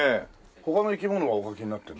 他の生き物はお描きになってる？